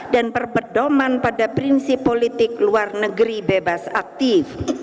dan perpedoman pada prinsip politik luar negeri bebas aktif